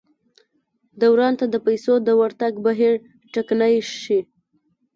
دوران ته د پیسو د ورتګ بهیر ټکنی شي.